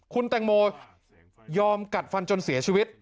คุณแตงโมยอมกัดฟันจนเสียชีวิต